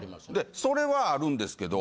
それはあるんですけど。